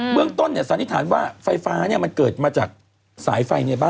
เมืองต้นสันนิษฐานว่าไฟฟ้ามันเกิดมาจากสายไฟในบ้าน